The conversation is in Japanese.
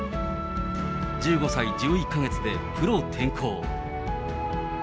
１５歳１１か月でプロ転向。